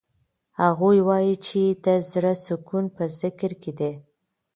هغوی وایي چې د زړه سکون په ذکر کې دی.